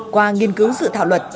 qua nghiên cứu sự thảo luật